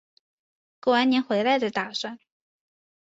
过完年回来再打算